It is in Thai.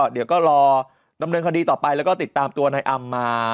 เดี๋ยวก็รอดำเนินคดีต่อไปแล้วก็ติดตามตัวนายอำมา